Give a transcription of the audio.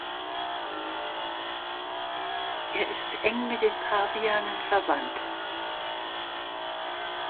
Er ist eng mit den Pavianen verwandt.